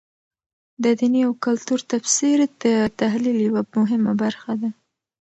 د دیني او کلتور تفسیر د تحلیل یوه مهمه برخه ده.